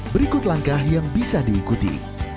berikut langkah yang bisa diikuti